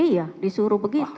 iya disuruh begitu